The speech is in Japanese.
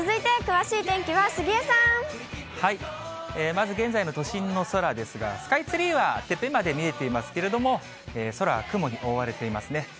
まず現在の都心の空ですが、スカイツリーはてっぺんまで見えていますけれども、空は雲に覆われていますね。